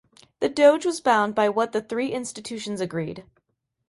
The Doge was bound by what the three institutions agreed.